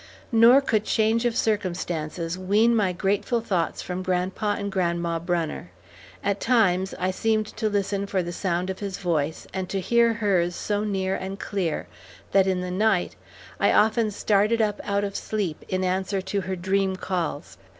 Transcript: Nor could change of circumstances wean my grateful thoughts from Grandpa and Grandma Brunner. At times, I seemed to listen for the sound of his voice, and to hear hers so near and clear that in the night, I often started up out of sleep in answer to her dream calls.